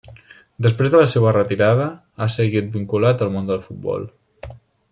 Després de la seua retirada, ha seguit vinculat al món del futbol.